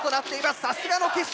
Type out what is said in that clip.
さすがの決勝戦。